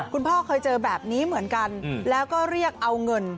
พ่อเคยเจอแบบนี้เหมือนกันแล้วก็เรียกเอาเงิน